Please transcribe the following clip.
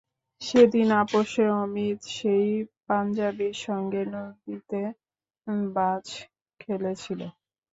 সেদিন আপসে অমিত সেই পাঞ্জাবির সঙ্গে নদীতে বাচ খেলেছিল।